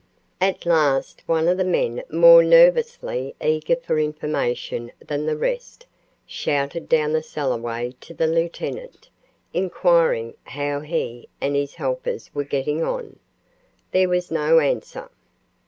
At last one of the men, more nervously eager for information than the rest, shouted down the cellarway to the lieutenant, inquiring how he and his helpers were getting on. There was no answer.